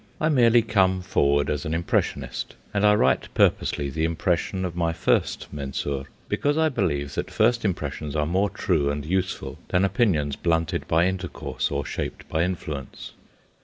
I merely come forward as an impressionist, and I write purposely the impression of my first Mensur, because I believe that first impressions are more true and useful than opinions blunted by intercourse, or shaped by influence.